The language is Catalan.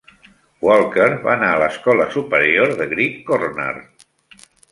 Walker va anar a l'escola superior de Great Cornard.